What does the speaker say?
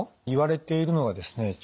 いわれているのがですね